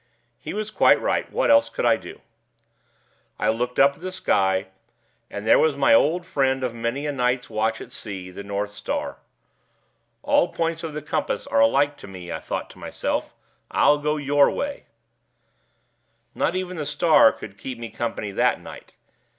He was quite right; what else could I do? I looked up at the sky, and there was my old friend of many a night's watch at sea, the north star. 'All points of the compass are alike to me,' I thought to myself; 'I'll go your way.' Not even the star would keep me company that night.